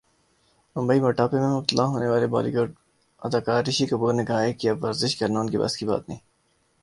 ممبئی موٹاپے میں مبتلا ہونے والے بالی ووڈ اداکار رشی کپور نے کہا ہے کہ اب ورزش کرنا انکے بس کی بات نہیں ہے